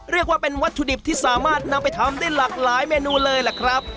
เรียกว่าเป็นวัตถุดิบที่สามารถนำไปทำได้หลากหลายเมนูเลยล่ะครับ